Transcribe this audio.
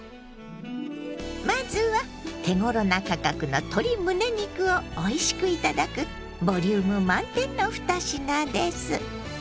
まずは手ごろな価格の鶏むね肉をおいしく頂くボリューム満点の２品です。